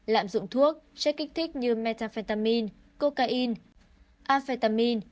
lạm dụng thuốc chất kích thích như methamphetamine cocaine amphetamine